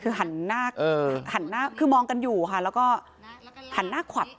คือหันหน้าหันหน้าคือมองกันอยู่ค่ะแล้วก็หันหน้าขวัก